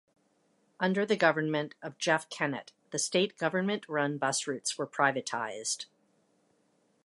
Under the government of Jeff Kennett, the state government-run bus routes were privatised.